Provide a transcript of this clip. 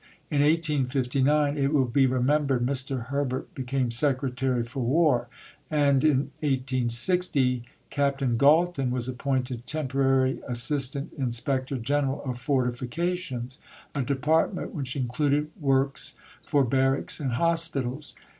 In 1859, it will be remembered, Mr. Herbert became Secretary for War; and in 1860 Captain Galton was appointed temporary assistant inspector general of "Fortifications" a department which included works for barracks and hospitals.